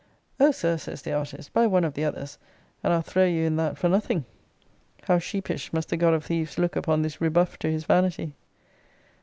O Sir, says the artist, buy one of the others, and I'll throw you in that for nothing. How sheepish must the god of thieves look upon this rebuff to his vanity!